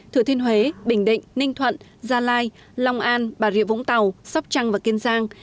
thừa thiên huế bình định ninh thuận gia lai long an bà rịa vũng tàu sóc trăng và kiên giang